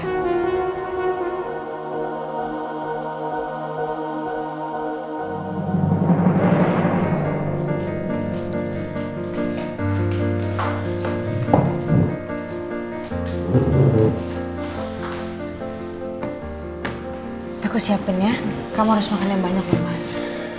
kita kusiapin ya kamu harus makan yang banyak ya mas